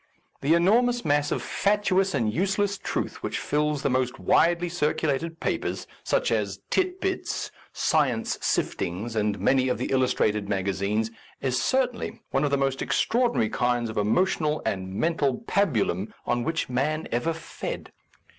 The enormous mass of fatuous and useless truth which fills the most widely circulated papers, such as Tit Bits^ Science Sif tings, and many of the illustrated maga zines, is certainly one of the most extraor dinary kinds of emotional and mental pabu lum on which man ever fed.